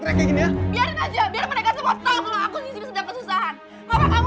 tolong tolong mereka orang orang kayak ini sudah mau ngambil anak aku